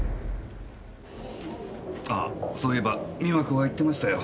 あそういえば美和子が言ってましたよ。